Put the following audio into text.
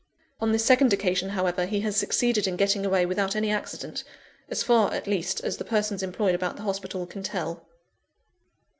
On this second occasion, however, he has succeeded in getting away without any accident as far, at least, as the persons employed about the hospital can tell."